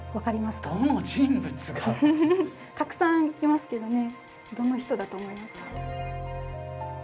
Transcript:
たくさんいますけどねどの人だと思いますか？